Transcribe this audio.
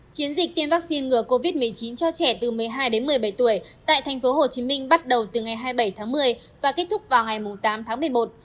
chiến dịch tiêm vaccine ngừa covid một mươi chín cho trẻ từ một mươi hai đến một mươi bảy tuổi tại tp hcm bắt đầu từ ngày hai mươi bảy tháng một mươi và kết thúc vào ngày tám tháng một mươi một